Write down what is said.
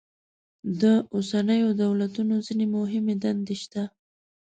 د اوسنیو دولتونو ځینې مهمې دندې شته.